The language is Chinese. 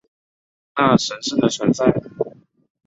那神圣的存在